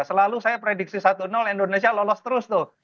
selalu saya prediksi satu indonesia lolos terus tuh